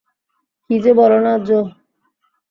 কী যে বলো না, জো।